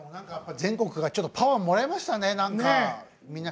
全国からパワーをもらいましたね。